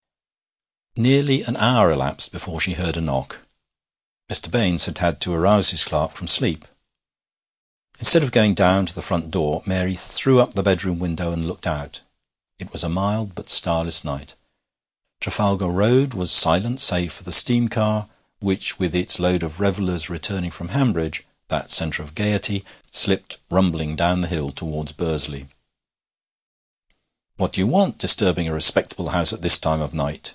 Nearly an hour elapsed before she heard a knock. Mr. Baines had had to arouse his clerk from sleep. Instead of going down to the front door, Mary threw up the bedroom window and looked out. It was a mild but starless night. Trafalgar Road was silent save for the steam car, which, with its load of revellers returning from Hanbridge that centre of gaiety slipped rumbling down the hill towards Bursley. 'What do you want disturbing a respectable house at this time of night?'